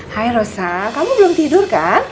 hai rosa kamu belum tidur kan